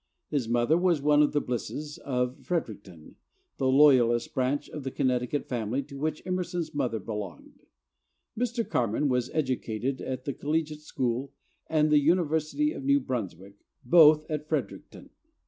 His mother was one of the Blisses of Fredericton, the Loyalist branch of that Connecticut family to which Emerson's mother belonged. Mr. Carman was educated at the Collegiate School and the University of New Brunswick, both at Fredericton.